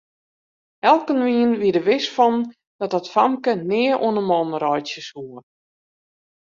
Elkenien wie der wis fan dat dat famke nea oan 'e man reitsje soe.